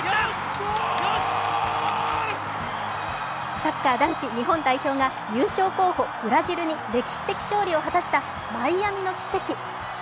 サッカー男子日本代表が優勝候補・ブラジルに歴史的勝利を果たしたマイアミの奇跡。